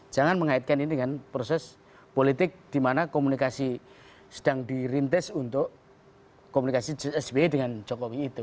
jangan mengaitkan ini dengan proses politik di mana komunikasi sedang dirintis untuk komunikasi sby dengan jokowi itu